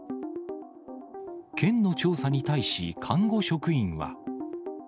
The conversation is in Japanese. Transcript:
県の調査に対し、看護職員は。